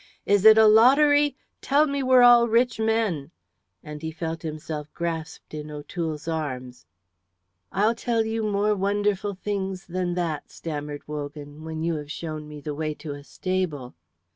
"Is it a lottery? Tell me we're all rich men," and he felt himself grasped in O'Toole's arms. "I'll tell you more wonderful things than that," stammered Wogan, "when you have shown me the way to a stable."